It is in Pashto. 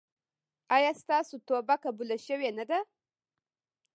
ایا ستاسو توبه قبوله شوې نه ده؟